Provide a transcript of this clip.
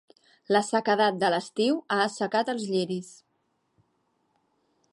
La sequedat de l'estiu ha assecat els lliris.